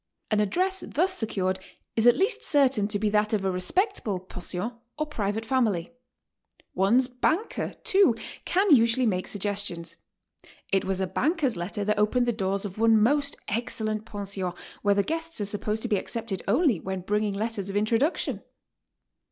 An address thus secured is at least certain to be that of a respectable pension or private family. One's banker, too, can usually make sug gestions. It was a banker's letter that opened the doors of one most excellent pension where the guests are supposed to be accepted only when bringing letters of introduction.